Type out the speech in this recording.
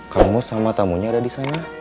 kang mus sama tamunya ada di sana